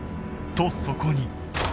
とそこに